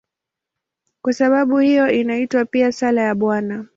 Kwa sababu hiyo inaitwa pia "Sala ya Bwana".